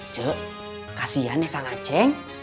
ce kasian deh kang aceh